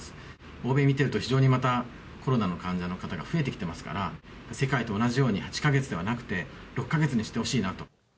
欧米見てると、非常にまた、コロナの患者の方が増えてきてますから、世界と同じように８か月ではなくて、６か月にしてほしいなと。